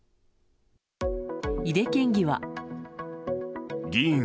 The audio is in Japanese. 井手県議は。